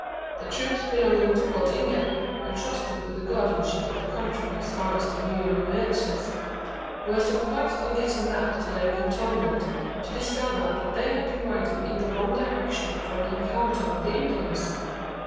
The troops belonging to Port Inge entrusted with the guardianship of the country as far as the Rio Nueces were surprised on getting back to their cantonment to discover that they had been riding in the wrong direction for an encounter with the Indians!